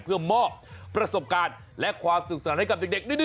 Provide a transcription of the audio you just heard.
เพื่อมอบประสบการณ์และความสุขสนานให้กับเด็ก